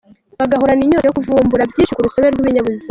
bagahorana inyota yo kuvumbura byinshi ku rusobe rw’ibinyabuzima.